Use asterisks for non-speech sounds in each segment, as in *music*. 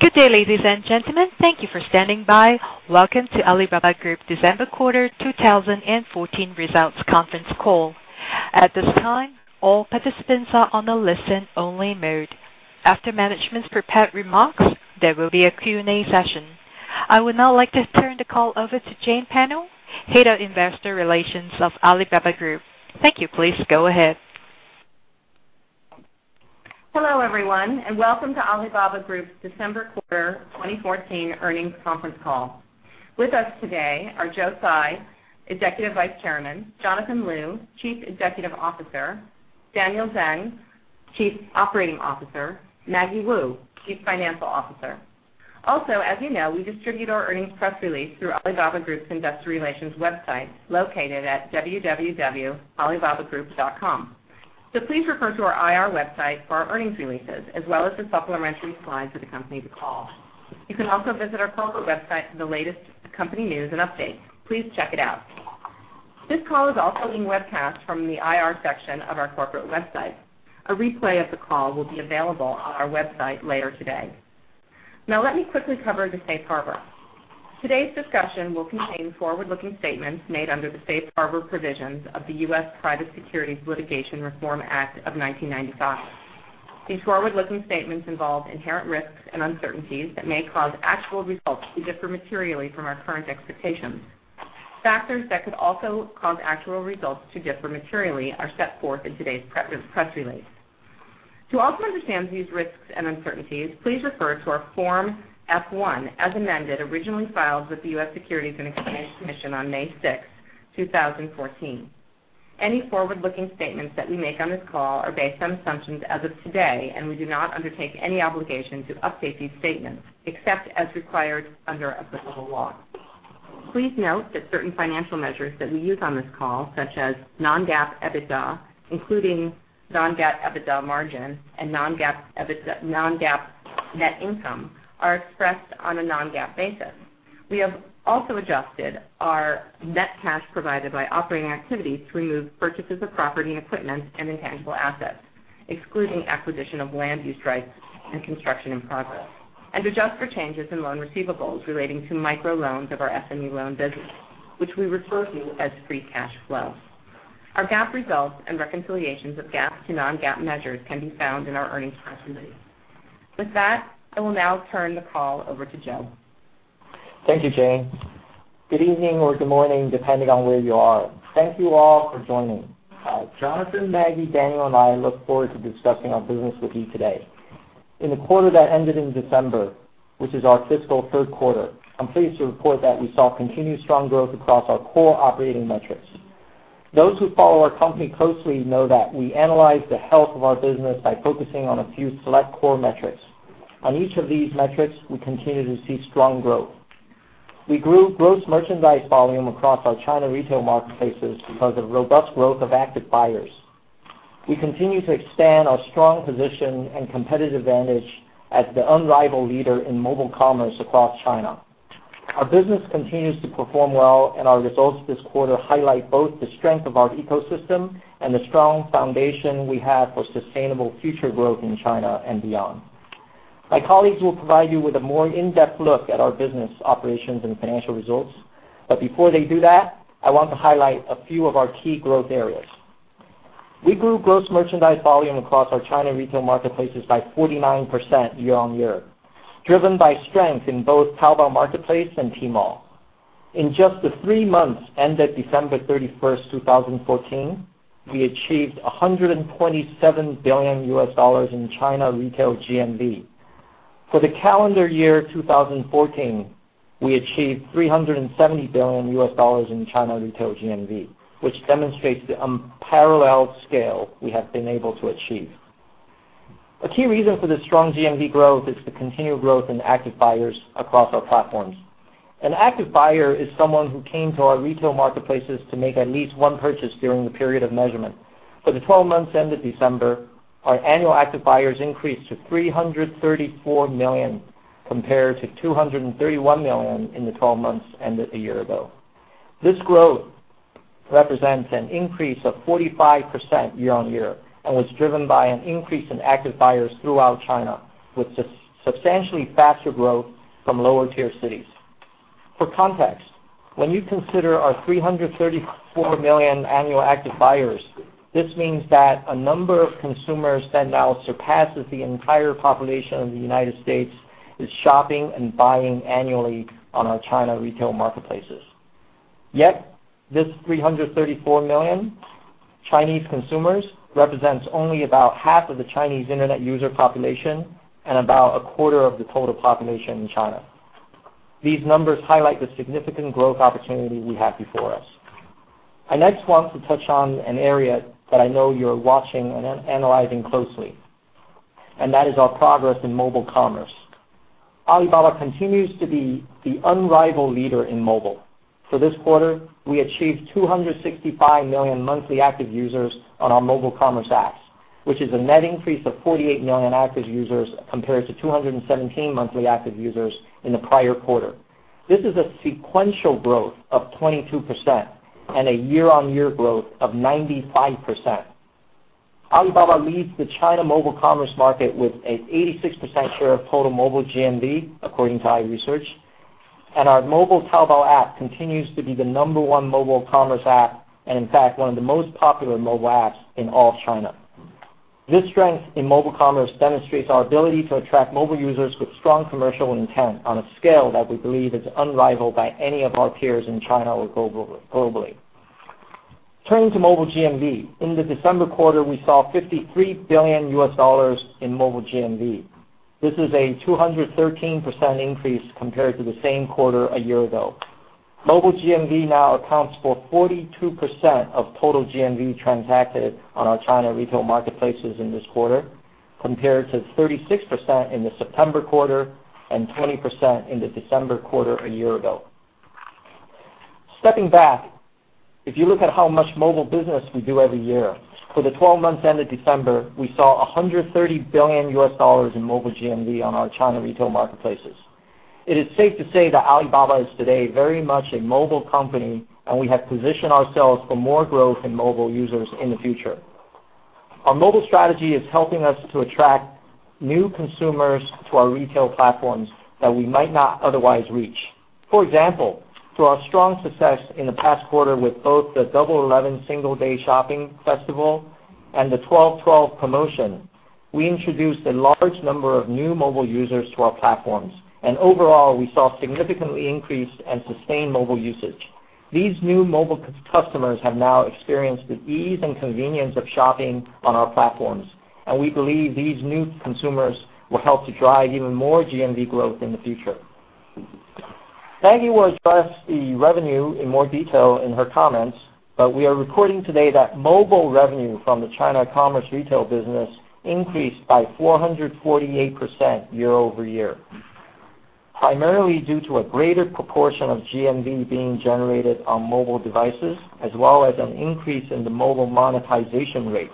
Good day, ladies and gentlemen. Thank you for standing by. Welcome to Alibaba Group December quarter 2014 results conference call. At this time, all participants are on a listen-only mode. After management's prepared remarks, there will be a Q&A session. I would now like to turn the call over to Jane Penner, Head of Investor Relations of Alibaba Group. Thank you. Please go ahead. Hello, everyone, and welcome to Alibaba Group's December quarter 2014 earnings conference call. With us today are Joe Tsai, Executive Vice Chairman, Jonathan Lu, Chief Executive Officer, Daniel Zhang, Chief Operating Officer, Maggie Wu, Chief Financial Officer. As you know, we distribute our earnings press release through Alibaba Group's investor relations website located at www.alibabagroup.com. Please refer to our IR website for our earnings releases as well as the supplementary slides for the company's call. You can also visit our corporate website for the latest company news and updates. Please check it out. This call is also being webcast from the IR section of our corporate website. A replay of the call will be available on our website later today. Let me quickly cover the safe harbor. Today's discussion will contain forward-looking statements made under the Safe Harbor provisions of the U.S. Private Securities Litigation Reform Act of 1995. These forward-looking statements involve inherent risks and uncertainties that may cause actual results to differ materially from our current expectations. Factors that could also cause actual results to differ materially are set forth in today's press release. To also understand these risks and uncertainties, please refer to our Form F-1 as amended, originally filed with the U.S. Securities and Exchange Commission on May 6, 2014. Any forward-looking statements that we make on this call are based on assumptions as of today. We do not undertake any obligation to update these statements except as required under applicable law. Please note that certain financial measures that we use on this call, such as non-GAAP EBITDA, including non-GAAP EBITDA margin and non-GAAP net income, are expressed on a non-GAAP basis. We have also adjusted our net cash provided by operating activities to remove purchases of property and equipment and intangible assets, excluding acquisition of land use rights and construction in progress, and adjust for changes in loan receivables relating to microloans of our SME loan business, which we refer to as free cash flow. Our GAAP results and reconciliations of GAAP to non-GAAP measures can be found in our earnings press release. With that, I will now turn the call over to Joe. Thank you, Jane. Good evening or good morning, depending on where you are. Thank you all for joining. Jonathan, Maggie, Daniel, and I look forward to discussing our business with you today. In the quarter that ended in December, which is our fiscal third quarter, I am pleased to report that we saw continued strong growth across our core operating metrics. Those who follow our company closely know that we analyze the health of our business by focusing on a few select core metrics. On each of these metrics, we continue to see strong growth. We grew gross merchandise volume across our China retail marketplaces because of robust growth of active buyers. We continue to expand our strong position and competitive advantage as the unrivaled leader in mobile commerce across China. Our business continues to perform well, our results this quarter highlight both the strength of our ecosystem and the strong foundation we have for sustainable future growth in China and beyond. My colleagues will provide you with a more in-depth look at our business operations and financial results. Before they do that, I want to highlight a few of our key growth areas. We grew gross merchandise volume across our China retail marketplaces by 49% year-on-year, driven by strength in both Taobao Marketplace and Tmall. In just the three months ended December 31st, 2014, we achieved $127 billion in China retail GMV. For the calendar year 2014, we achieved [RMB 327] billion in China retail GMV, which demonstrates the unparalleled scale we have been able to achieve. A key reason for this strong GMV growth is the continued growth in active buyers across our platforms. An active buyer is someone who came to our retail marketplaces to make at least one purchase during the period of measurement. For the 12 months ended December, our annual active buyers increased to 334 million, compared to 231 million in the 12 months ended a year ago. This growth represents an increase of 45% year-on-year and was driven by an increase in active buyers throughout China, with substantially faster growth from lower-tier cities. For context, when you consider our 334 million annual active buyers, this means that a number of consumers that now surpasses the entire population of the United States is shopping and buying annually on our China retail marketplaces. Yet, this 334 million Chinese consumers represents only about half of the Chinese Internet user population and about a quarter of the total population in China. These numbers highlight the significant growth opportunity we have before us. I next want to touch on an area that I know you are watching and analyzing closely, that is our progress in mobile commerce. Alibaba continues to be the unrivaled leader in mobile. For this quarter, we achieved 265 million monthly active users on our mobile commerce apps, which is a net increase of 48 million active users compared to 217 million monthly active users in the prior quarter. This is a sequential growth of 22% and a year-on-year growth of 95%. Alibaba leads the China mobile commerce market with an 86% share of total mobile GMV, according to iResearch. Our mobile Taobao app continues to be the number one mobile commerce app, and in fact, one of the most popular mobile apps in all of China. This strength in mobile commerce demonstrates our ability to attract mobile users with strong commercial intent on a scale that we believe is unrivaled by any of our peers in China or globally. Turning to mobile GMV. In the December quarter, we saw $53 billion in mobile GMV. This is a 213% increase compared to the same quarter a year ago. Mobile GMV now accounts for 42% of total GMV transacted on our China retail marketplaces in this quarter, compared to 36% in the September quarter, and 20% in the December quarter a year ago. Stepping back, if you look at how much mobile business we do every year, for the 12 months ended December, we saw $130 billion in mobile GMV on our China retail marketplaces. It is safe to say that Alibaba is today very much a mobile company, and we have positioned ourselves for more growth in mobile users in the future. Our mobile strategy is helping us to attract new consumers to our retail platforms that we might not otherwise reach. For example, through our strong success in the past quarter with both the Double 11 Single Day shopping festival and the Double 12 promotion, we introduced a large number of new mobile users to our platforms, and overall, we saw significantly increased and sustained mobile usage. These new mobile customers have now experienced the ease and convenience of shopping on our platforms, and we believe these new consumers will help to drive even more GMV growth in the future. Maggie will address the revenue in more detail in her comments, but we are reporting today that mobile revenue from the China commerce retail business increased by 448% year-over-year, primarily due to a greater proportion of GMV being generated on mobile devices as well as an increase in the mobile monetization rate.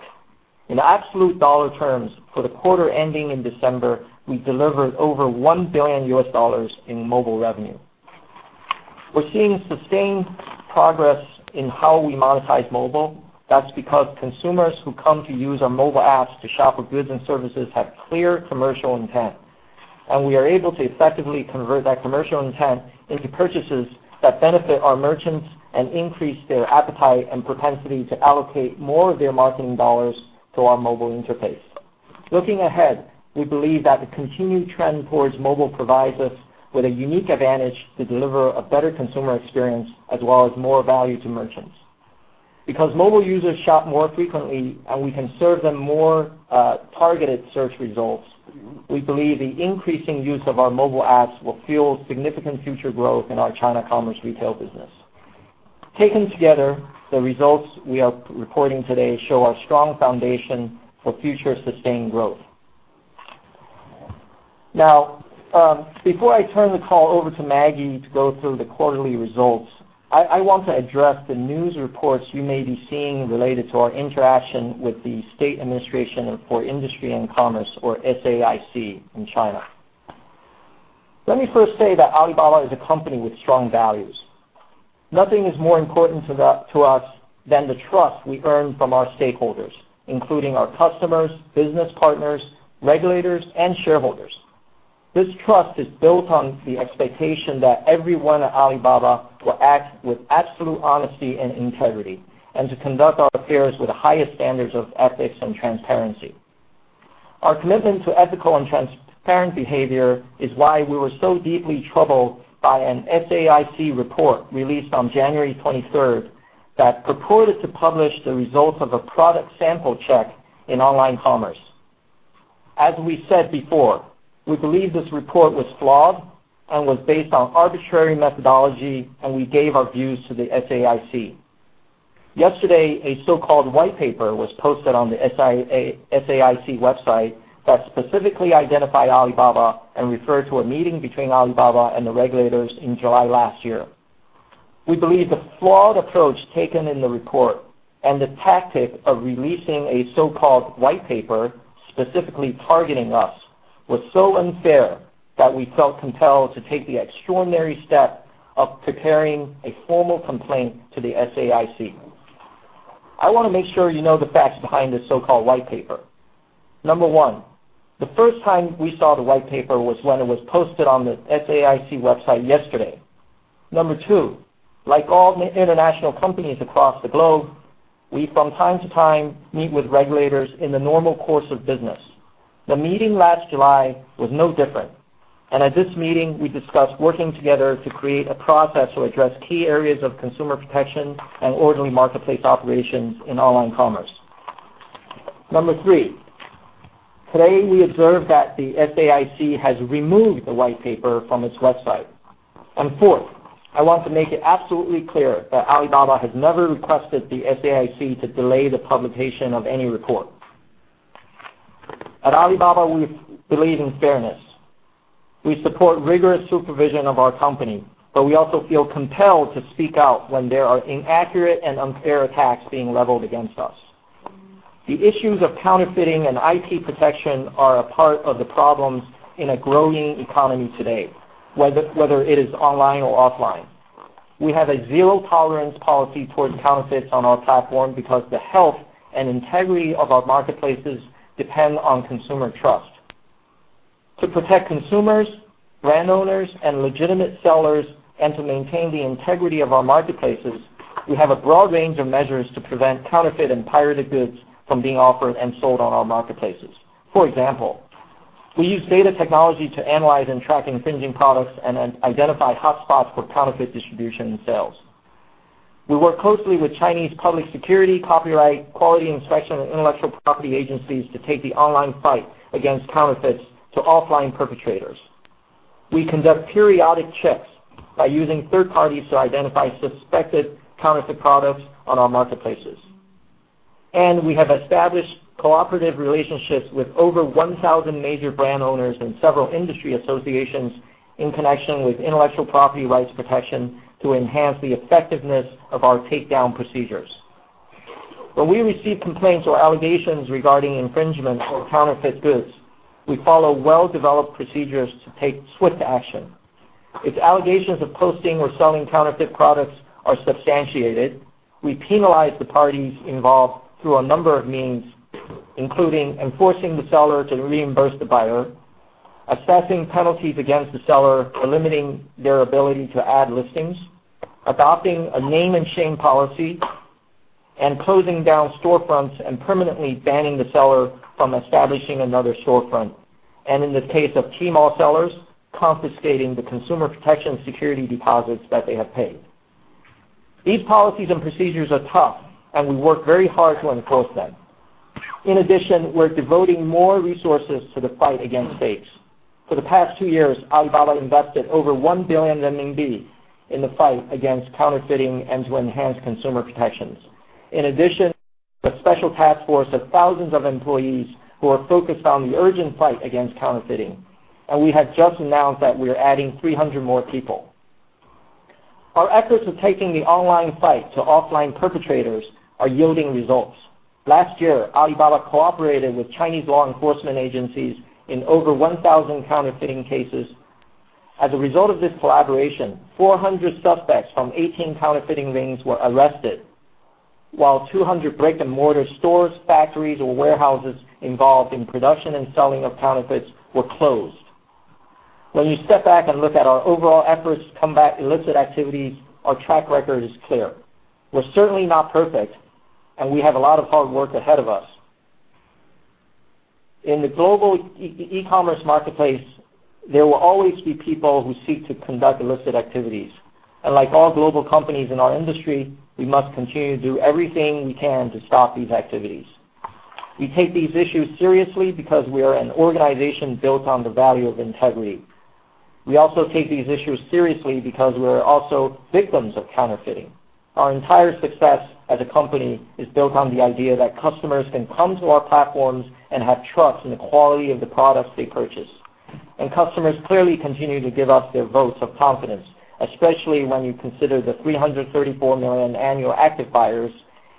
In absolute dollar terms, for the quarter ending in December, we delivered over $1 billion in mobile revenue. We're seeing sustained progress in how we monetize mobile. That's because consumers who come to use our mobile apps to shop for goods and services have clear commercial intent, and we are able to effectively convert that commercial intent into purchases that benefit our merchants and increase their appetite and propensity to allocate more of their marketing dollars to our mobile interface. Looking ahead, we believe that the continued trend towards mobile provides us with a unique advantage to deliver a better consumer experience as well as more value to merchants. Because mobile users shop more frequently and we can serve them more targeted search results, we believe the increasing use of our mobile apps will fuel significant future growth in our China commerce retail business. Taken together, the results we are reporting today show our strong foundation for future sustained growth. Now, before I turn the call over to Maggie to go through the quarterly results, I want to address the news reports you may be seeing related to our interaction with the State Administration for Industry and Commerce, or SAIC, in China. Let me first say that Alibaba is a company with strong values. Nothing is more important to us than the trust we earn from our stakeholders, including our customers, business partners, regulators, and shareholders. This trust is built on the expectation that everyone at Alibaba will act with absolute honesty and integrity, and to conduct our affairs with the highest standards of ethics and transparency. Our commitment to ethical and transparent behavior is why we were so deeply troubled by an SAIC report released on January 23rd that purported to publish the results of a product sample check in online commerce. As we said before, we believe this report was flawed and was based on arbitrary methodology, and we gave our views to the SAIC. Yesterday, a so-called white paper was posted on the SAIC website that specifically identified Alibaba and referred to a meeting between Alibaba and the regulators in July last year. We believe the flawed approach taken in the report and the tactic of releasing a so-called white paper specifically targeting us was so unfair that we felt compelled to take the extraordinary step of preparing a formal complaint to the SAIC. I want to make sure you know the facts behind this so-called white paper. Number one, the first time we saw the white paper was when it was posted on the SAIC website yesterday. Number two, like all international companies across the globe, we, from time to time, meet with regulators in the normal course of business. The meeting last July was no different, and at this meeting, we discussed working together to create a process to address key areas of consumer protection and orderly marketplace operations in online commerce. Number three, today we observe that the SAIC has removed the white paper from its website. Fourth, I want to make it absolutely clear that Alibaba has never requested the SAIC to delay the publication of any report. At Alibaba, we believe in fairness. We support rigorous supervision of our company, but we also feel compelled to speak out when there are inaccurate and unfair attacks being leveled against us. The issues of counterfeiting and IP protection are a part of the problems in a growing economy today, whether it is online or offline. We have a zero-tolerance policy towards counterfeits on our platform because the health and integrity of our marketplaces depend on consumer trust. To protect consumers, brand owners, and legitimate sellers, and to maintain the integrity of our marketplaces, we have a broad range of measures to prevent counterfeit and pirated goods from being offered and sold on our marketplaces. For example, we use data technology to analyze and track infringing products and identify hotspots for counterfeit distribution and sales. We work closely with Chinese public security, copyright, quality inspection, and intellectual property agencies to take the online fight against counterfeits to offline perpetrators. We conduct periodic checks by using third parties to identify suspected counterfeit products on our marketplaces. We have established cooperative relationships with over 1,000 major brand owners and several industry associations in connection with intellectual property rights protection to enhance the effectiveness of our takedown procedures. When we receive complaints or allegations regarding infringement or counterfeit goods, we follow well-developed procedures to take swift action. If allegations of posting or selling counterfeit products are substantiated, we penalize the parties involved through a number of means, including enforcing the seller to reimburse the buyer, assessing penalties against the seller for limiting their ability to add listings, adopting a name-and-shame policy, closing down storefronts and permanently banning the seller from establishing another storefront. In the case of Tmall sellers, confiscating the consumer protection security deposits that they have paid. These policies and procedures are tough, and we work very hard to enforce them. In addition, we're devoting more resources to the fight against fakes. For the past two years, Alibaba invested over 1 billion RMB in the fight against counterfeiting and to enhance consumer protections. In addition, the special task force of thousands of employees who are focused on the urgent fight against counterfeiting, and we have just announced that we are adding 300 more people. Our efforts of taking the online fight to offline perpetrators are yielding results. Last year, Alibaba cooperated with Chinese law enforcement agencies in over 1,000 counterfeiting cases. As a result of this collaboration, 400 suspects from 18 counterfeiting rings were arrested, while 200 brick-and-mortar stores, factories, or warehouses involved in production and selling of counterfeits were closed. When you step back and look at our overall efforts to combat illicit activities, our track record is clear. We're certainly not perfect, and we have a lot of hard work ahead of us. In the global e-commerce marketplace, there will always be people who seek to conduct illicit activities. Like all global companies in our industry, we must continue to do everything we can to stop these activities. We take these issues seriously because we are an organization built on the value of integrity. We also take these issues seriously because we are also victims of counterfeiting. Our entire success as a company is built on the idea that customers can come to our platforms and have trust in the quality of the products they purchase. Customers clearly continue to give us their votes of confidence, especially when you consider the 334 million annual active buyers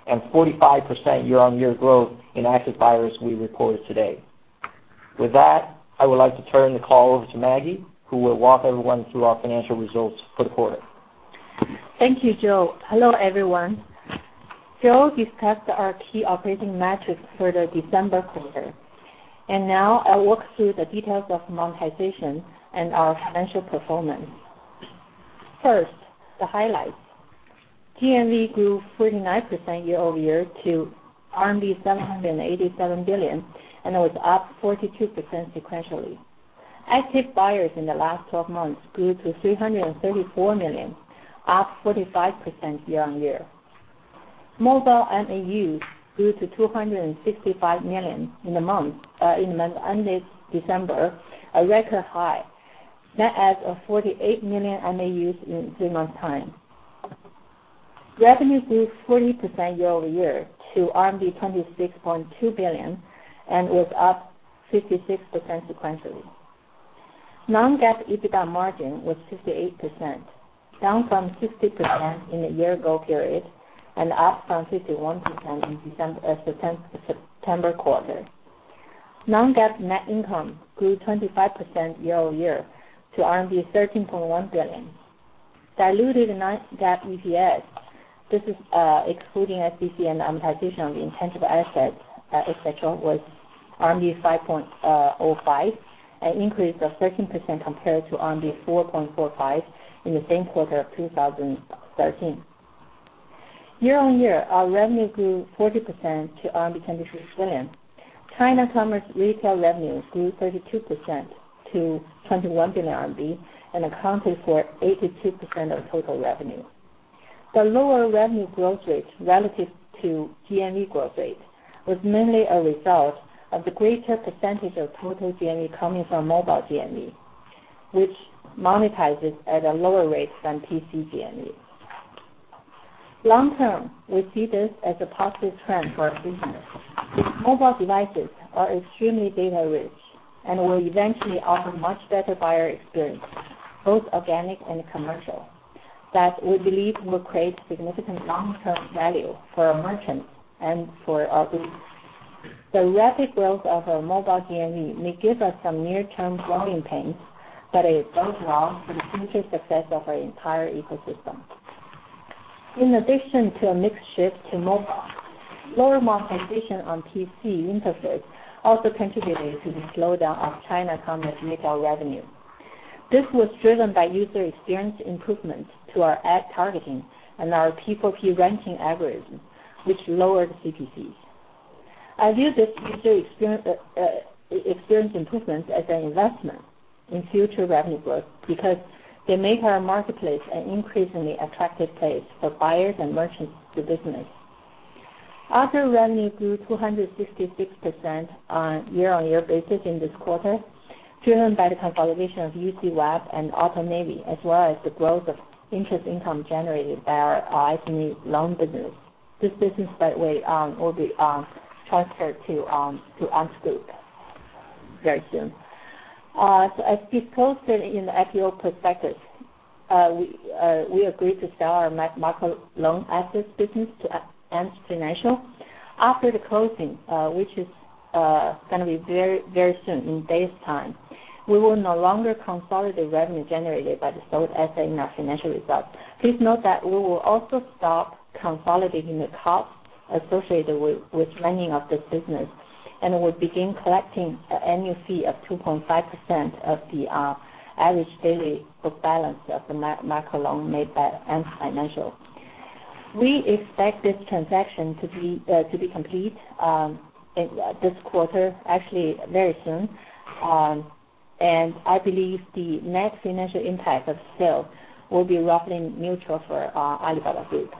and 45% year-on-year growth in active buyers we reported today. With that, I would like to turn the call over to Maggie, who will walk everyone through our financial results for the quarter. Thank you, Joe. Hello, everyone. Joe discussed our key operating metrics for the December quarter. Now I'll walk through the details of monetization and our financial performance. First, the highlights. GMV grew 49% year-over-year to RMB 787 billion, and it was up 42% sequentially. Active buyers in the last 12 months grew to 334 million, up 45% year-on-year. Mobile MAUs grew to 265 million in the month ended December, a record high. Net add of 48 million MAUs in three months' time. Revenue grew 40% year-over-year to RMB 26.2 billion and was up 56% sequentially. Non-GAAP EBITDA margin was 58%, down from 60% in the year-ago period and up from 51% in September quarter. Non-GAAP net income grew 25% year-over-year to RMB 13.1 billion. Diluted non-GAAP EPS, this is excluding SBC and amortization of the intangible assets, et cetera, was 5.05, an increase of 13% compared to 4.45 in the same quarter of 2013. Year-on-year, our revenue grew 40% to RMB 26 billion. China commerce retail revenue grew 32% to 21 billion RMB and accounted for 82% of total revenue. The lower revenue growth rate relative to GMV growth rate was mainly a result of the greater percentage of total GMV coming from mobile GMV, which monetizes at a lower rate than PC GMV. Long term, we see this as a positive trend for our business. Mobile devices are extremely data-rich and will eventually offer much better buyer experience, both organic and commercial. We believe will create significant long-term value for our merchants and for our group. The rapid growth of our mobile GMV may give us some near-term growing pains, but it bodes well for the future success of our entire ecosystem. In addition to a mix shift to mobile, lower monetization on PC interfaces also contributed to the slowdown of China commerce retail revenue. This was driven by user experience improvements to our ad targeting and our P4P ranking algorithm, which lowered CPCs. I view this user experience improvements as an investment in future revenue growth because they make our marketplace an increasingly attractive place for buyers and merchants to do business. Other revenue grew 266% on a year-on-year basis in this quarter, driven by the consolidation of UCWeb and AutoNavi, as well as the growth of interest income generated by our SME loan business. This business will be transferred to Ant Financial very soon. As we posted in the IPO prospectus, we agreed to sell our micro loan assets business to Ant Financial. After the closing, which is going to be very soon, in days' time, we will no longer consolidate revenue generated by the sold asset in our financial results. Please note that we will also stop consolidating the cost associated with lending of this business, and we'll begin collecting an annual fee of 2.5% of the average daily book balance of the micro loan made by Ant Financial. We expect this transaction to be complete this quarter, actually very soon. I believe the net financial impact of sale will be roughly neutral for Alibaba Group.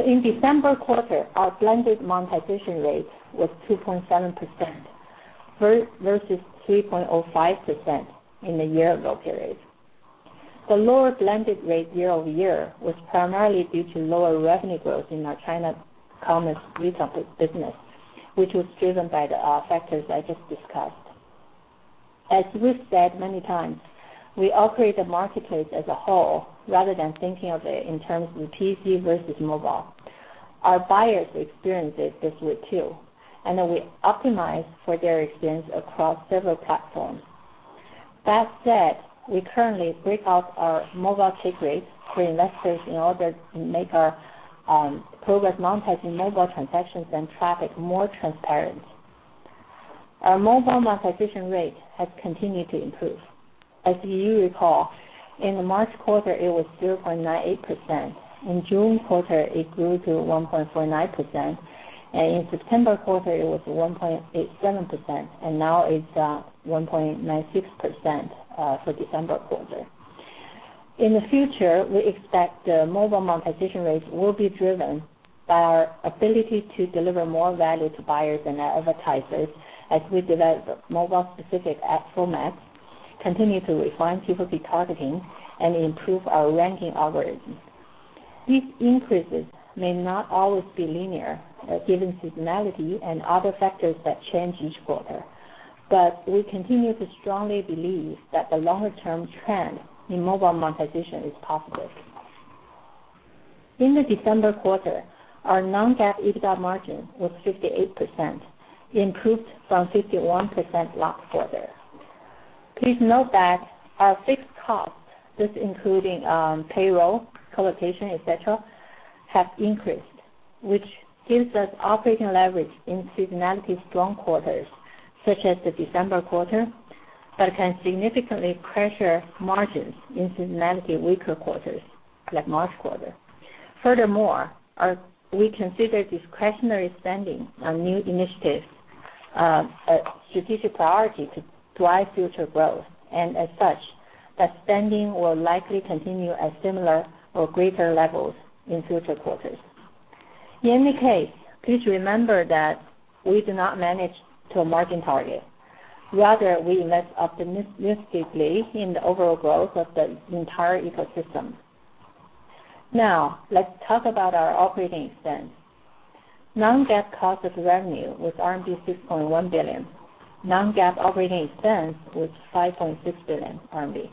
In December quarter, our blended monetization rate was 2.7%, versus 3.05% in the year-ago period. The lower blended rate year-over-year was primarily due to lower revenue growth in our China commerce retail business, which was driven by the factors I just discussed. As we've said many times, we operate the marketplace as a whole rather than thinking of it in terms of PC versus mobile. Our buyers experience it this way, too, we optimize for their experience across several platforms. That said, we currently break out our mobile take rate for investors in order to make our progress monitoring mobile transactions and traffic more transparent. Our mobile monetization rate has continued to improve. As you recall, in the March quarter, it was 0.98%. In June quarter, it grew to 1.49%. In September quarter, it was 1.87%, and now it's 1.96% for December quarter. In the future, we expect mobile monetization rates will be driven by our ability to deliver more value to buyers and advertisers as we develop mobile-specific ad formats, continue to refine P4P targeting, and improve our ranking algorithms. These increases may not always be linear, given seasonality and other factors that change each quarter. We continue to strongly believe that the longer-term trend in mobile monetization is positive. In the December quarter, our non-GAAP EBITDA margin was 58%, improved from 51% last quarter. Please note that our fixed costs, including payroll, colocation, etc., have increased, which gives us operating leverage in seasonally strong quarters, such as the December quarter, but can significantly pressure margins in seasonally weaker quarters, like March quarter. We consider discretionary spending on new initiatives a strategic priority to drive future growth, and as such, that spending will likely continue at similar or greater levels in future quarters. In any case, please remember that we do not manage to a margin target. Rather, we invest optimistically in the overall growth of the entire ecosystem. Let's talk about our operating expense. Non-GAAP cost of revenue was RMB 6.1 billion. Non-GAAP operating expense was 5.6 billion RMB.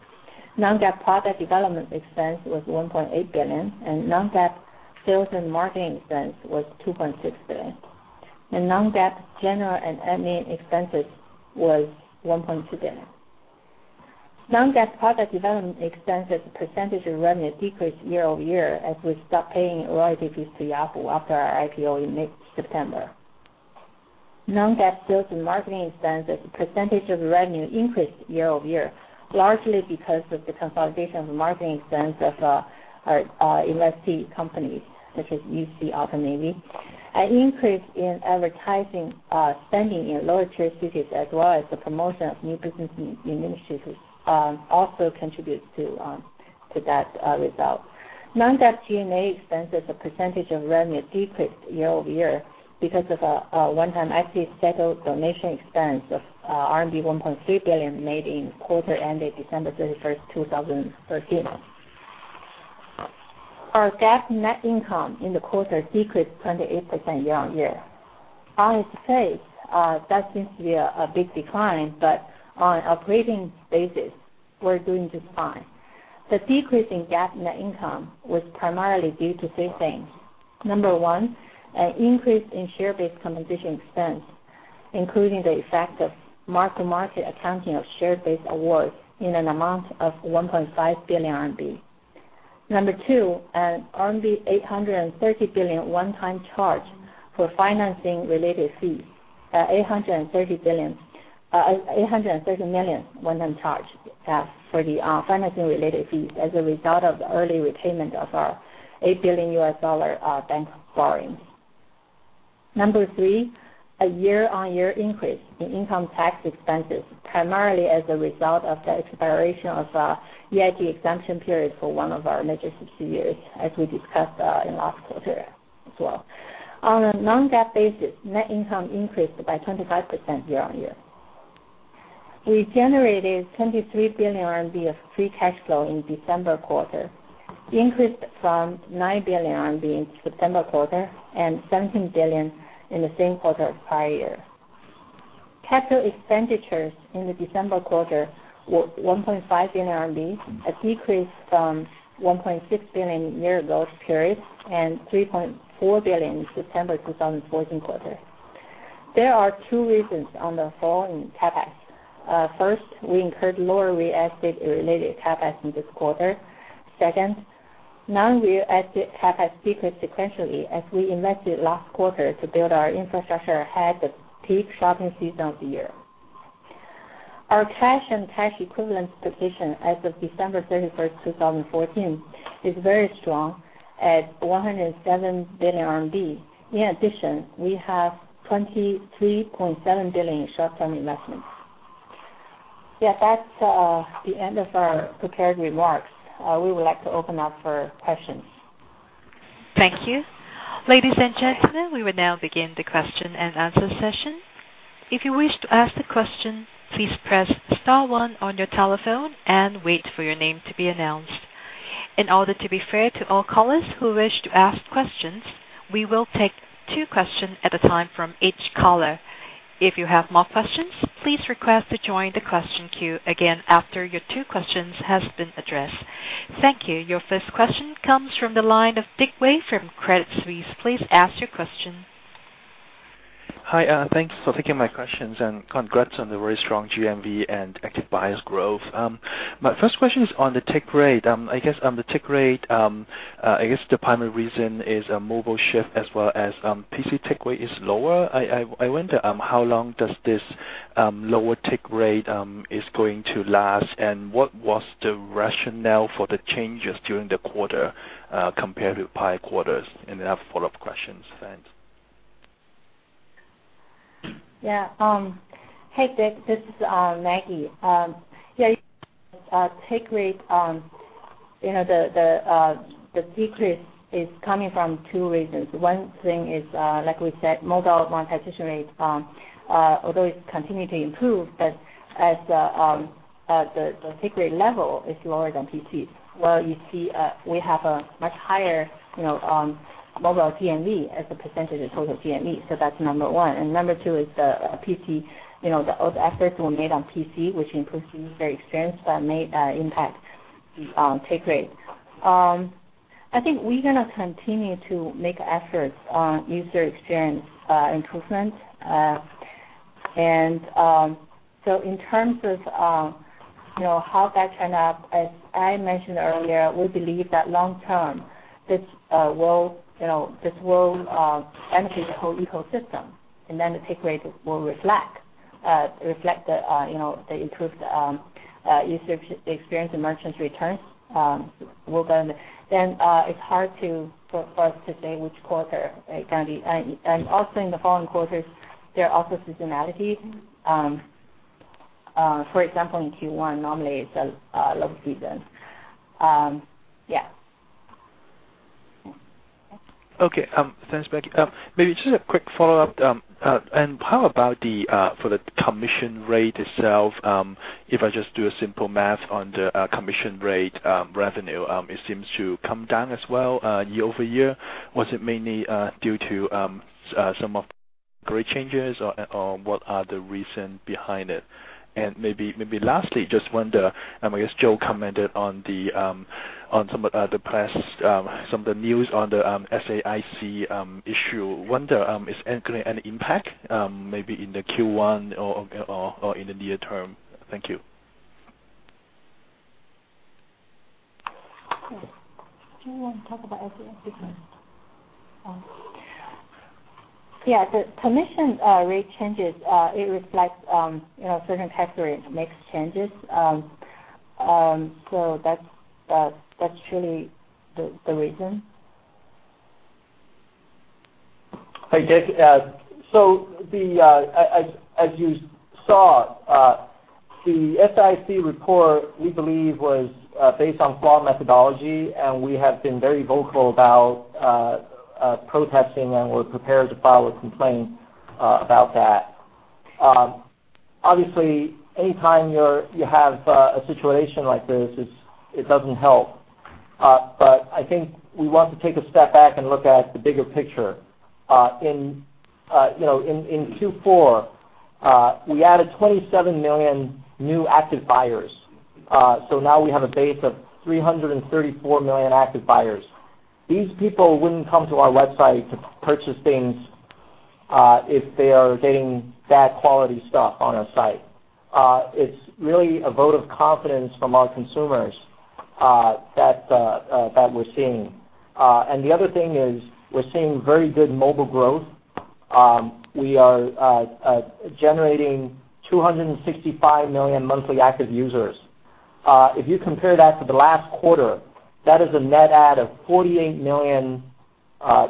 Non-GAAP product development expense was 1.8 billion, and non-GAAP sales and marketing expense was 2.6 billion. Non-GAAP general and admin expenses was 1.2 billion. Non-GAAP product development expense as a percentage of revenue decreased year-over-year as we stopped paying royalties to Yahoo after our IPO in mid-September. Non-GAAP sales and marketing expense as a percentage of revenue increased year-over-year, largely because of the consolidation of marketing expense of our investee companies, such as UCWeb, AutoNavi. An increase in advertising spending in lower-tier cities as well as the promotion of new business initiatives also contributes to that result. Non-GAAP G&A expense as a percentage of revenue decreased year-over-year because of a one-time IP settled donation expense of RMB 1.3 billion made in quarter ended December 31st, 2013. Our GAAP net income in the quarter decreased 28% year-on-year. I have to say, that seems to be a big decline, but on operating basis, we're doing just fine. The decrease in GAAP net income was primarily due to three things. Number one, an increase in share-based compensation expense, including the effect of mark-to-market accounting of share-based awards in an amount of 1.5 billion RMB. Number two, an 830 million one-time charge for financing-related fees as a result of the early repayment of our RMB 8 billion bank borrowings. Number three, a year-on-year increase in income tax expenses, primarily as a result of the expiration of the EIT exemption period for one of our major subsidiaries, as we discussed in last quarter as well. On a non-GAAP basis, net income increased by 25% year-on-year. We generated 23 billion RMB of free cash flow in December quarter, increased from 9 billion RMB in September quarter and 17 billion in the same quarter of prior year. Capital expenditures in the December quarter were 1.5 billion RMB, a decrease from 1.6 billion in year-ago period, and 3.4 billion in September 2014 quarter. There are two reasons on the fall in CapEx. First, we incurred lower real estate-related CapEx in this quarter. Second, non-real estate CapEx decreased sequentially as we invested last quarter to build our infrastructure ahead the peak shopping season of the year. Our cash and cash equivalents position as of December 31st, 2014, is very strong at 107 billion RMB. In addition, we have 23.7 billion in short-term investments. That's the end of our prepared remarks. We would like to open up for questions. Thank you. Ladies and gentlemen, we will now begin the question-and-answer session. If you wish to ask a question, please press *1 on your telephone and wait for your name to be announced. In order to be fair to all callers who wish to ask questions, we will take two questions at a time from each caller. If you have more questions, please request to join the question queue again after your two questions have been addressed. Thank you. Your first question comes from the line of Dick Wei from Credit Suisse. Please ask your question. Hi. Thanks for taking my questions, congrats on the very strong GMV and active buyers growth. My first question is on the take rate. I guess, on the take rate, the primary reason is a mobile shift as well as PC take rate is lower. I wonder, how long does this lower take rate is going to last, and what was the rationale for the changes during the quarter compared to prior quarters? I have follow-up questions. Thanks. Hey, Dick, this is Maggie. Take rate, the decrease is coming from two reasons. One thing is, like we said, mobile monetization rate, although it's continuing to improve, but the take rate level is lower than PC's. While you see we have a much higher mobile GMV as a percentage of total GMV, so that's number one. Number two is all the efforts were made on PC, which improves user experience, but may impact take rate. I think we're going to continue to make efforts on user experience improvement. In terms of how that turn up, as I mentioned earlier, we believe that long-term, this will benefit the whole ecosystem, and then the take rate will reflect the improved user experience and merchants returns. It's hard for us to say which quarter it can be. Also, in the following quarters, there are also seasonality. For example, in Q1, normally it's a low season. Yeah. Okay. Thanks, Maggie. Maybe just a quick follow-up. How about for the commission rate itself? If I just do a simple math on the commission rate revenue, it seems to come down as well year-over-year. Was it mainly due to some of the rate changes, or what are the reason behind it? Maybe lastly, just wonder, I guess Joe commented on some of the news on the SAIC issue. Wonder, is it going to have an impact maybe in the Q1 or in the near term? Thank you. Do you want to talk about SAIC? Okay. Yeah, the commission rate changes, it reflects certain category mix changes. That's truly the reason. Hi, Dick. As you saw, the SAIC report, we believe, was based on flawed methodology, and we have been very vocal about protesting, and we're prepared to file a complaint about that. Obviously, anytime you have a situation like this, it doesn't help. I think we want to take a step back and look at the bigger picture. In Q4, we added 27 million new active buyers. Now we have a base of 334 million active buyers. These people wouldn't come to our website to purchase things if they are getting bad quality stuff on our site. It's really a vote of confidence from our consumers that we're seeing. The other thing is, we're seeing very good mobile growth. We are generating 265 million monthly active users. If you compare that to the last quarter, that is a net add of 48 million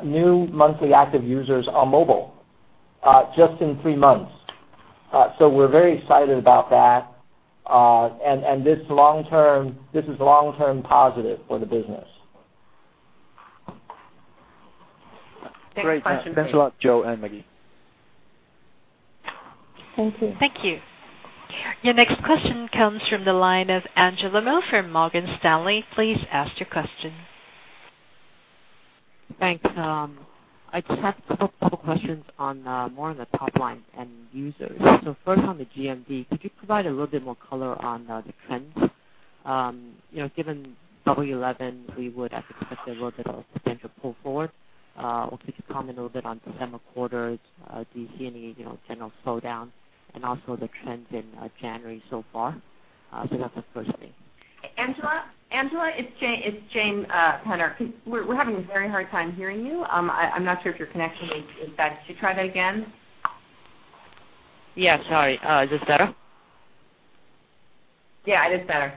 new monthly active users on mobile, just in three months. We're very excited about that. This is long-term positive for the business. Thanks, Joseph. Great. Thanks a lot, Joe and Maggie. Thank you. Thank you. Your next question comes from the line of [Angela Mel] from Morgan Stanley. Please ask your question. Thanks. I just have a couple questions on more on the top line and users. First, on the GMV, could you provide a little bit more color on the trends? Given Double 11, we would have expected a little bit of potential pull forward. If you could comment a little bit on December quarter, do you see any general slowdown? Also the trends in January so far. That's the first thing. Angela? Angela, it's Jane Penner. We're having a very hard time hearing you. I'm not sure if your connection is bad. Could you try that again? Yeah, sorry. Is this better? Yeah, it is better.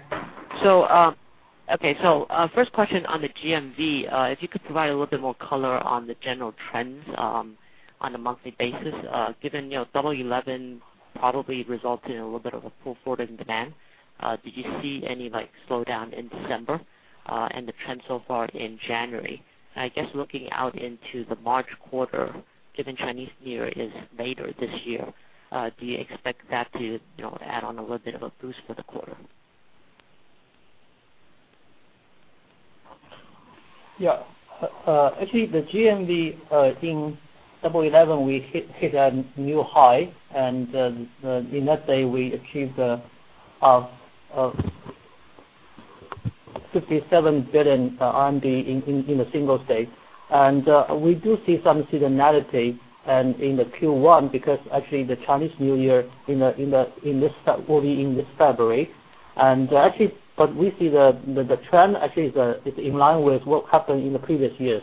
Okay. First question on the GMV, if you could provide a little bit more color on the general trends on a monthly basis, given Double 11 probably resulted in a little bit of a pull forward in demand. Did you see any slowdown in December and the trend so far in January? I guess looking out into the March quarter, given Chinese New Year is later this year, do you expect that to add on a little bit of a boost for the quarter? Yeah. Actually, the GMV in Double 11, we hit a new high, and in that day, we achieved 57 billion RMB in a single day. We do see some seasonality in the Q1 because actually the Chinese New Year will be in this February. We see the trend actually is in line with what happened in the previous years.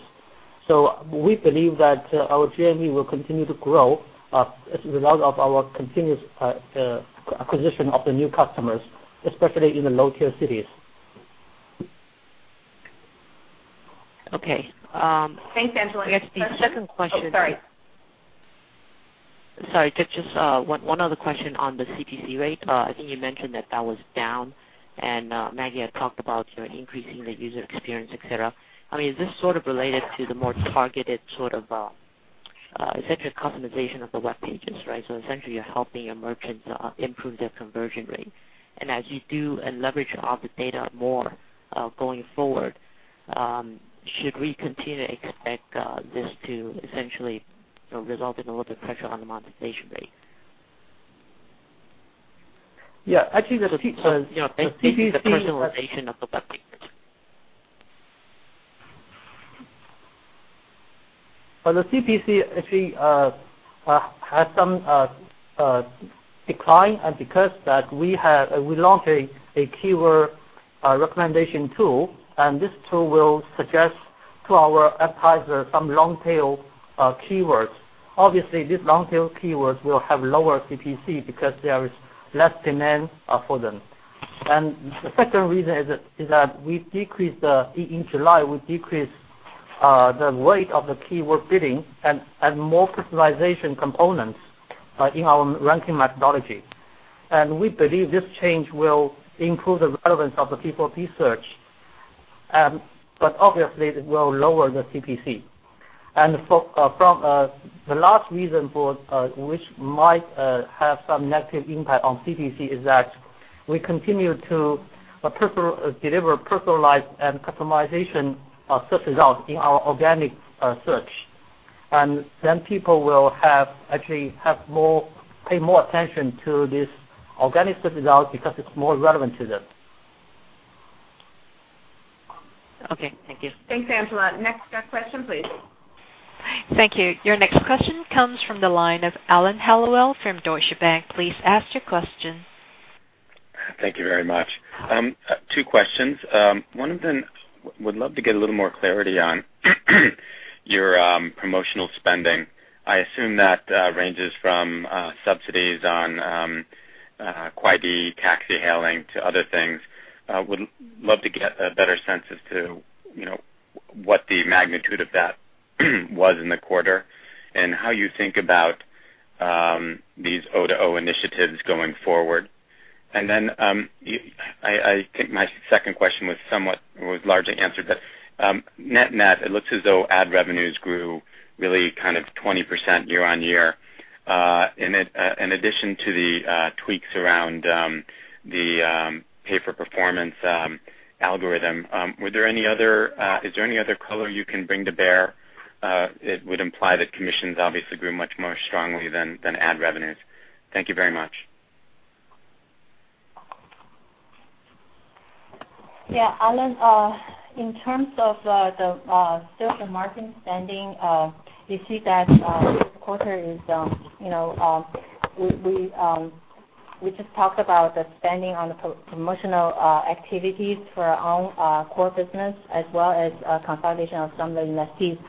We believe that our GMV will continue to grow as a result of our continuous acquisition of the new customers, especially in the low-tier cities. Okay. Thanks, Angela. Next question. I guess the second question. Oh, sorry. Sorry, just one other question on the CPC rate. I think you mentioned that that was down, and Maggie had talked about increasing the user experience, et cetera. Is this sort of related to the more targeted customization of the web pages? Essentially, you're helping your merchants improve their conversion rate. As you do and leverage all the data more going forward, should we continue to expect this to essentially result in a little bit of pressure on the monetization rate? Yeah, actually the CPC. Based on the personalization of the web pages. Well, the CPC actually had some decline, and because we launched a keyword recommendation tool, and this tool will suggest to our advertisers some long-tail keywords. Obviously, these long-tail keywords will have lower CPC because there is less demand for them. The second reason is that in July, we decreased the weight of the keyword bidding and add more customization components in our ranking methodology. We believe this change will improve the relevance of the people who search. Obviously, it will lower the CPC. The last reason for which might have some negative impact on CPC is that we continue to deliver personalized and customization of search results in our organic search. Then people will actually pay more attention to this organic search result because it's more relevant to them. Okay. Thank you. Thanks, Angela. Next question, please. Thank you. Your next question comes from the line of Alan Hellawell from Deutsche Bank. Please ask your question. Thank you very much. Two questions. One of them, would love to get a little more clarity on your promotional spending. I assume that ranges from subsidies on Kuaidi taxi hailing to other things. Would love to get a better sense as to what the magnitude of that was in the quarter and how you think about these O2O initiatives going forward. Then I think my second question was largely answered, but net, it looks as though ad revenues grew really 20% year-on-year. In addition to the tweaks around the pay-for-performance algorithm, is there any other color you can bring to bear? It would imply that commissions obviously grew much more strongly than ad revenues. Thank you very much. Yeah, Alan, in terms of the sales and marketing spending, you see that this quarter, we just talked about the spending on the promotional activities for our own core business, as well as consolidation of some of the investments.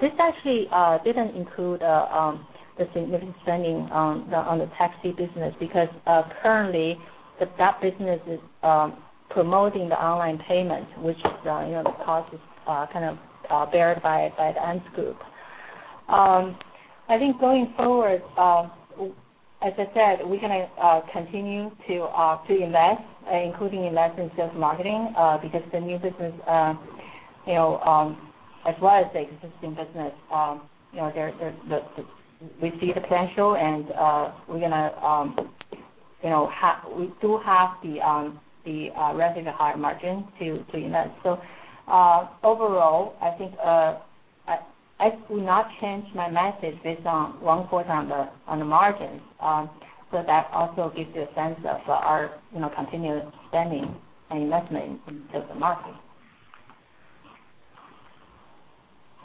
This actually didn't include the significant spending on the taxi business, because currently, that business is promoting the online payment, which the cost is kind of borne by the Ant Financial. I think going forward, as I said, we're going to continue to invest, including invest in sales marketing, because the new business, as well as the existing business, we see the potential, and we still have the relatively high margin to invest. Overall, I think I will not change my message based on one quarter on the margins. That also gives you a sense of our continued spending and investment in sales and marketing.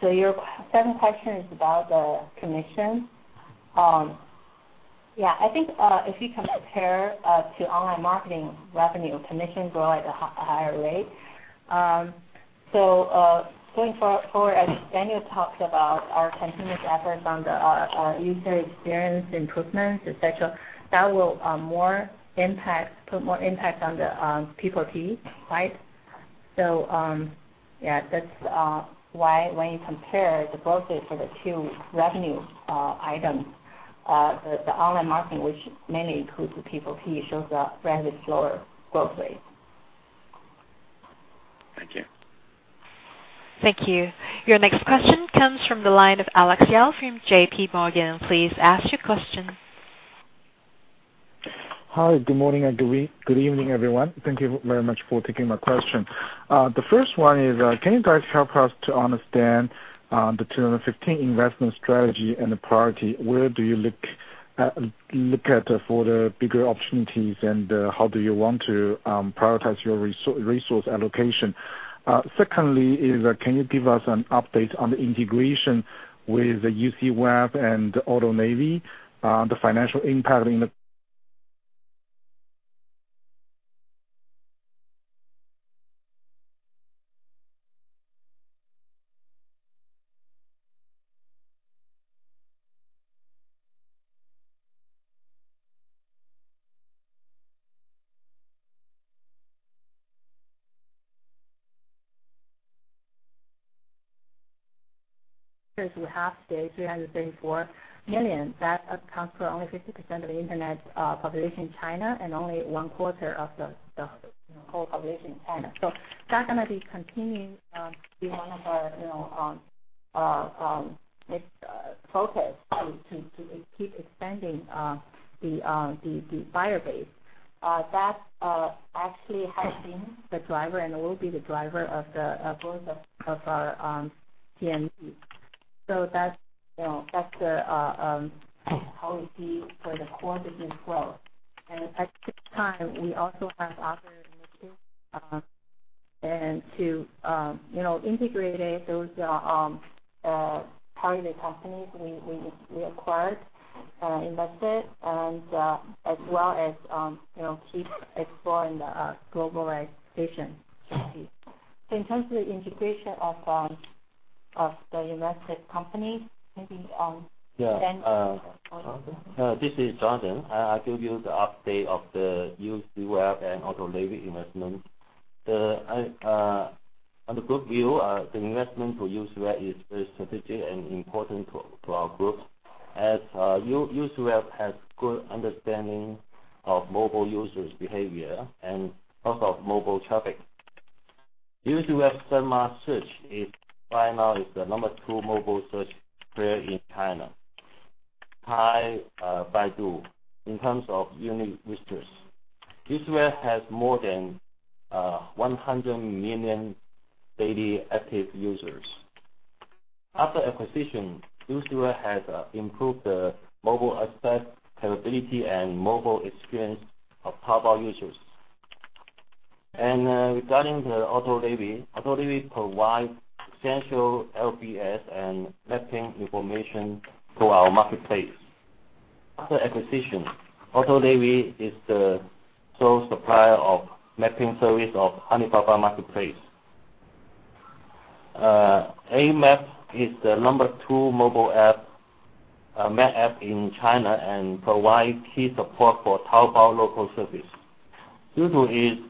Your second question is about the commission. Yeah, I think if you compare to online marketing revenue, commission grow at a higher rate. Going forward, as Daniel talked about our continuous efforts on our user experience improvements, et cetera, that will put more impact on the P4P. Yeah, that's why when you compare the growth rate for the two revenue items, the online marketing, which mainly includes the P4P, shows a relatively slower growth rate. Thank you. Thank you. Your next question comes from the line of Alex Yao from J.P. Morgan. Please ask your question. Hi, good morning, and good evening, everyone. Thank you very much for taking my question. The first one is, can you guys help us to understand the 2015 investment strategy and the priority? Where do you look at for the bigger opportunities, and how do you want to prioritize your resource allocation? Secondly is, can you give us an update on the integration with UCWeb and AutoNavi, the financial impact in the- *inaudible* That accounts for only 50% of the internet population in China and only one quarter of the whole population in China. That's going to be continuing to be one of our focus, to keep expanding the buyer base. That actually has been the driver and will be the driver of the growth of our GMV. That's the policy for the core business growth. At the same time, we also have other initiatives, and to integrate those target companies we acquired, invested, and as well as keep exploring the globalization strategy. In terms of the integration of the invested companies, maybe Daniel Yeah. This is Jonathan. I give you the update of the UCWeb and AutoNavi investment. On the group view, the investment for UCWeb is very strategic and important to our group, as UCWeb has good understanding of mobile users' behavior and also of mobile traffic. UCWeb Shenma Search right now is the number two mobile search player in China, tied with Baidu in terms of unique visitors. UCWeb has more than 100 million daily active users. After acquisition, UCWeb has improved the mobile aspect capability and mobile experience of Taobao users. Regarding the AutoNavi provides essential LBS and mapping information to our marketplace. After acquisition, AutoNavi is the sole supplier of mapping service of Alibaba marketplace. Amap is the number two mobile map app in China and provides key support for Taobao local service. Due to its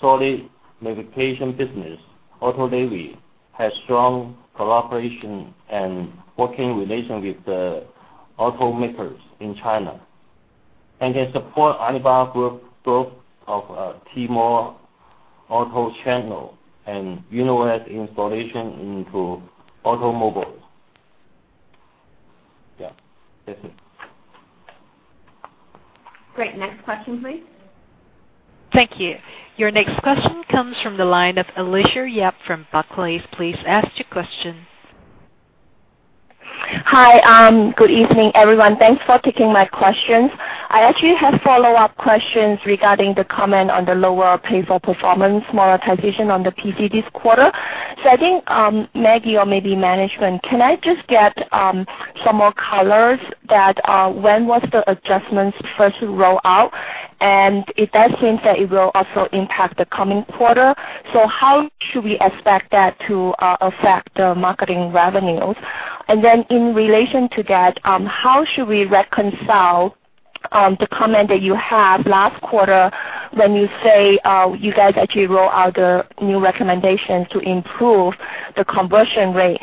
solid navigation business. AutoNavi has strong collaboration and working relation with the automakers in China, and can support Alibaba Group growth of Tmall auto channel and YunOS installation into automobiles. Yeah, that's it. Great. Next question, please. Thank you. Your next question comes from the line of Alicia Yap from Barclays. Please ask your question. Hi. Good evening, everyone. Thanks for taking my questions. I actually have follow-up questions regarding the comment on the lower pay-for-performance monetization on the PC this quarter. I think, Maggie, or maybe management, can I just get some more color that when was the adjustments first roll out? It does seem that it will also impact the coming quarter. How should we expect that to affect the marketing revenues? Then in relation to that, how should we reconcile the comment that you have last quarter when you say you guys actually roll out the new recommendations to improve the conversion rate.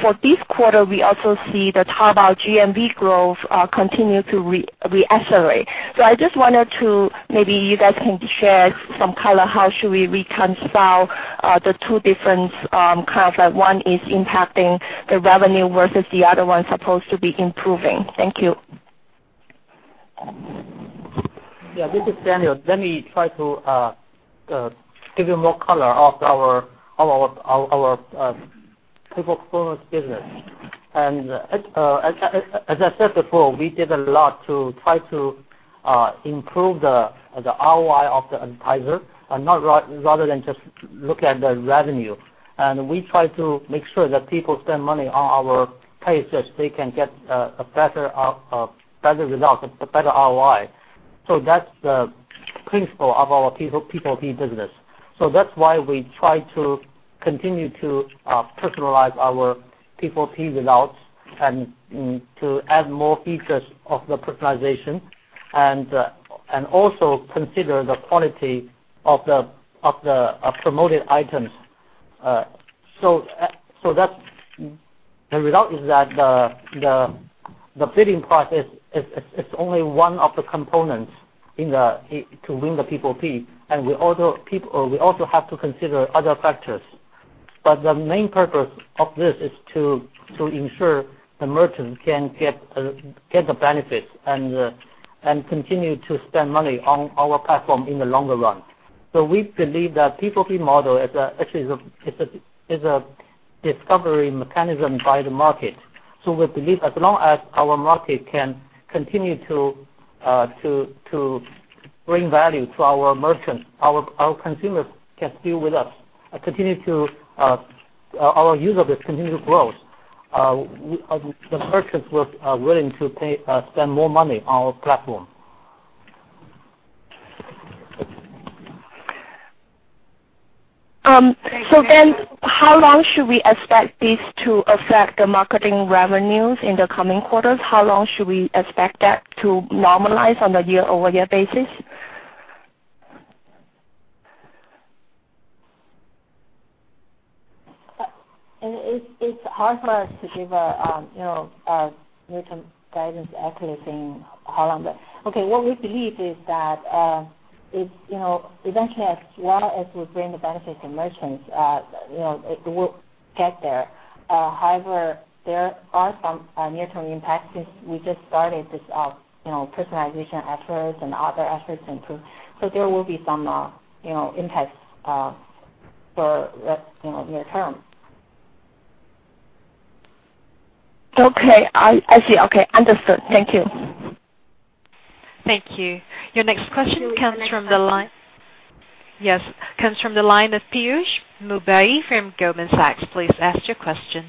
For this quarter, we also see the Taobao GMV growth continue to reaccelerate. I just wanted to, maybe you guys can share some color, how should we reconcile the two different kinds, like one is impacting the revenue versus the other one supposed to be improving. Thank you. Yeah, this is Daniel. Let me try to give you more color of our pay-for-performance business. As I said before, we did a lot to try to improve the ROI of the advertiser rather than just look at the revenue. We try to make sure that people spend money on our pay so that they can get a better result, a better ROI. That's the principle of our PPC business. That's why we try to continue to personalize our PPC results and to add more features of the personalization, and also consider the quality of the promoted items. The result is that the bidding process, it's only one of the components to win the PPC, and we also have to consider other factors. The main purpose of this is to ensure the merchant can get the benefit and continue to spend money on our platform in the longer run. We believe that PPC model actually is a discovery mechanism by the market. We believe as long as our market can continue to bring value to our merchants, our consumers can stay with us. Our user base continue to grow. The merchants were willing to spend more money on our platform. How long should we expect this to affect the marketing revenues in the coming quarters? How long should we expect that to normalize on a year-over-year basis? It's hard for us to give a near-term guidance accurately saying how long. Okay, what we believe is that eventually, as long as we bring the benefits to merchants, it will get there. However, there are some near-term impacts since we just started this personalization efforts and other efforts improve. There will be some impacts for near term. Okay. I see. Okay. Understood. Thank you. Thank you. Your next question comes from the line of Piyush Mubayi from Goldman Sachs. Please ask your question.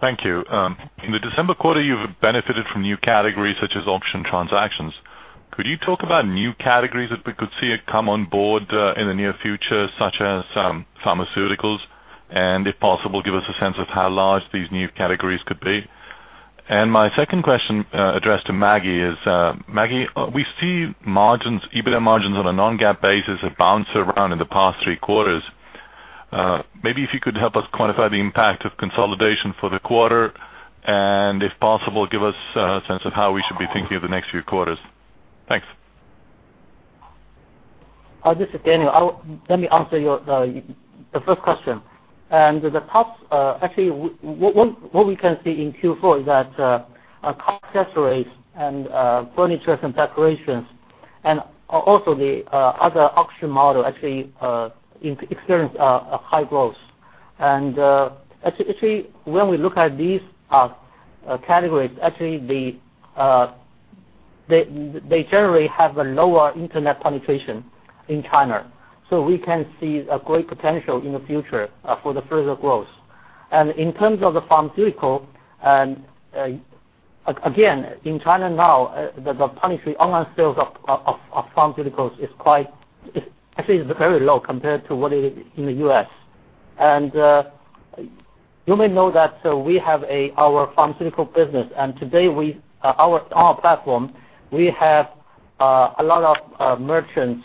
Thank you. In the December quarter, you have benefited from new categories such as auction transactions. Could you talk about new categories that we could see come on board in the near future, such as pharmaceuticals? If possible, give us a sense of how large these new categories could be. My second question, addressed to Maggie is, Maggie, we see EBITDA margins on a non-GAAP basis have bounced around in the past three quarters. Maybe if you could help us quantify the impact of consolidation for the quarter, and if possible, give us a sense of how we should be thinking of the next few quarters. Thanks. This is Daniel. Let me answer the first question. Actually, what we can see in Q4 is that car accessories and furniture and decorations and also the other auction model actually experienced a high growth. Actually, when we look at these categories, actually they generally have a lower internet penetration in China, so we can see a great potential in the future for the further growth. In terms of the pharmaceutical, again, in China now, the online sales of pharmaceuticals is actually very low compared to what it is in the U.S. You may know that we have our pharmaceutical business. Today, on our platform, we have a lot of merchants